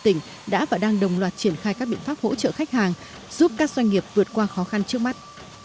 tỉnh đã và đang đồng loạt triển khai các biện pháp hỗ trợ khách hàng giúp các doanh nghiệp vượt qua khó khăn trước mắt